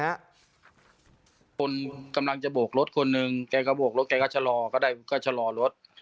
คนกำลังจะโบกรถคนหนึ่งแกก็โบกรถแกก็ชะลอก็ได้ก็ชะลอรถ